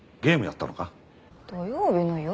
土曜日の夜？